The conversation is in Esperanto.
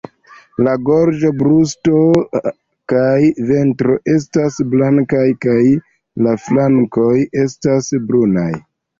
La gorĝo, brusto kaj ventro estas blankaj, kaj la flankoj estas brunaj.